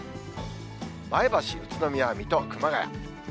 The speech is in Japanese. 前橋、宇都宮、水戸、熊谷。